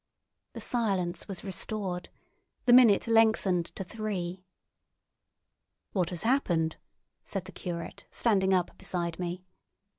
The silence was restored; the minute lengthened to three. "What has happened?" said the curate, standing up beside me.